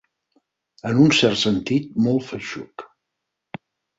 En un cert sentit, molt feixuc.